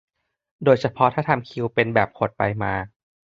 โดยเฉพาะถ้าทำคิวเป็นแบบขดไปมา